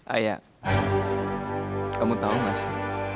ayah kamu tahu gak sih